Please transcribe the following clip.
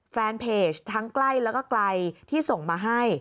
แฟนเพจทั้งใกล้แล้วก็ไกลที่ส่งมาให้